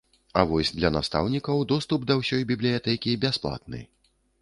А вось для настаўнікаў доступ да ўсёй бібліятэкі бясплатны.